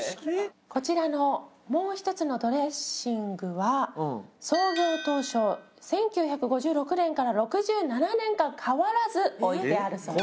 こちらのもう１つのドレッシングは創業当初１９５６年から６７年間変わらず置いてあるそうです。